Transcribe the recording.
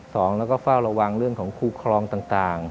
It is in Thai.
สองแล้วก็เฝ้าระวังเรื่องของคูคลองต่าง